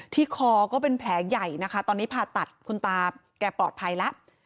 คอก็เป็นแผลใหญ่นะคะตอนนี้ผ่าตัดคุณตาแกปลอดภัยแล้ว